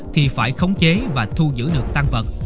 thì phải khống chế và thu giữ được tăng vật